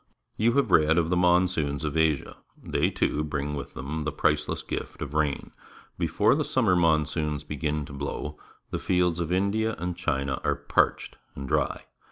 You have read of the monsoons of Asia. They, too, bring with them the priceless gift of rain. Before the summer monsoons begin to blow, the fields of India and China are parched and dry.